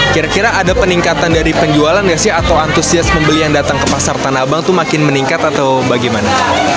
kira kira ada peningkatan dari penjualan nggak sih atau antusias pembeli yang datang ke pasar tanah abang itu makin meningkat atau bagaimana